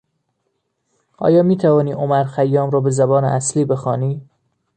آیا میتوانی عمرخیام را به زبان اصلی بخوانی؟